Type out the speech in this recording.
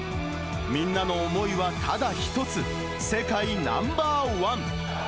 みんなの思いはただ一つ、世界ナンバー１。